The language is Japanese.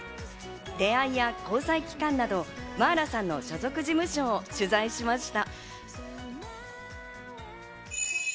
出会いや交際期間など、茉愛羅さんの所属事務所を取材しました。